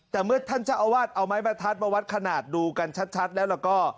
แต่เมื่อท่านเจ้าอาวาสเอาไม้ประทัดมาวัดขนาดดูกันชัดแล้วก็